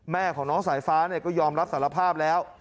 แม่ของน้องสายฟ้าก็ยอมรับสารภาพแล้ว